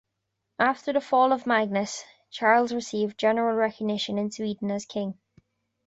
After the fall of Magnus, Charles received general recognition in Sweden as king.